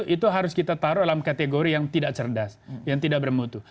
itu harus kita taruh dalam kategori yang tidak cerdas yang tidak bermutu